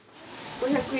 ５００円。